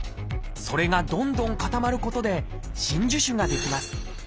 それがどんどん固まることで真珠腫が出来ます。